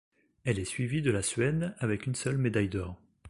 Elle est suivie de la Suède avec une seule médaille d'or.